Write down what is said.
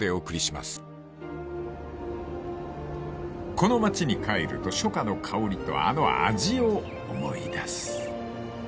［この町に帰ると初夏の薫りとあの味を思い出す］